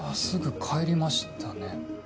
すぐ帰りましたね。